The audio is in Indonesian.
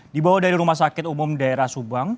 dibawa dari rumah sakit umum daerah subang